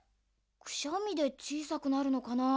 くしゃみでちいさくなるのかなあ？